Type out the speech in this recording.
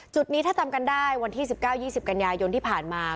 นี้ถ้าจำกันได้วันที่๑๙๒๐กันยายนที่ผ่านมา